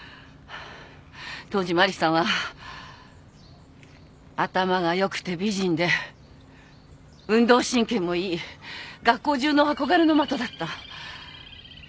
当時マリさんは頭が良くて美人で運動神経もいい学校中の憧れの的だった。